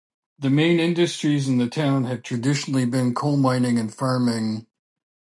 The main industries in the town have traditionally been coal mining and farming.